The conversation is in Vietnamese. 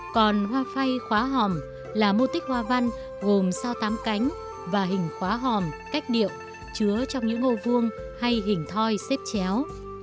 còn hoa phay khóa hòm là mô tích hoa văn gồm sao tám cánh và hình khóa hòm cách điệu chứa trong những ngôi vuông hay hình thoi xếp chéo